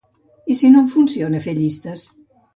I si no em funciona fer llistes?